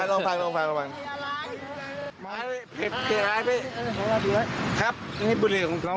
เผ็ฝเผ็ฝล้ายตัวไว้ครับนี่พุทธเลียงของเรา